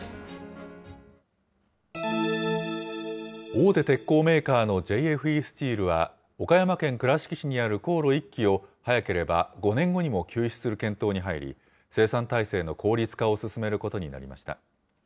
大手鉄鋼メーカーのＪＦＥスチールは、岡山県倉敷市にある高炉１基を、早ければ５年後にも休止する検討に入り、生産体制の効率化を進めることになりました。